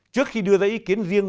trước khi đưa ra ý kiến riêng